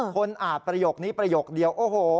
คนอาจประโยคนี้ประโยคนี้เดียว